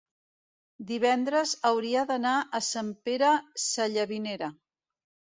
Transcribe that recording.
divendres hauria d'anar a Sant Pere Sallavinera.